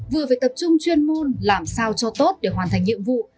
vừa phải tập trung chuyên môn làm sao cho tốt để hoàn thành nhiệm vụ